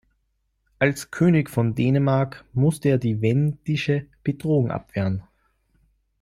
Als König von Dänemark musste er die wendische Bedrohung abwehren.